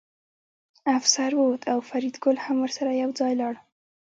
افسر ووت او فریدګل هم ورسره یوځای لاړ